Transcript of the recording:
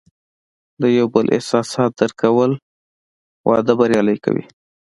د یو بل احساسات درک کول، واده بریالی کوي.